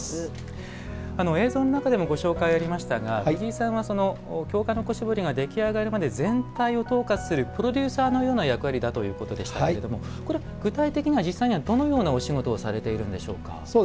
映像の中でもご紹介ありましたが藤井さんは京鹿の子絞りが出来上がるまで全体を統括するプロデューサーのような役割ということでしたがこれは具体的にはどういうお仕事をされているんでしょうか。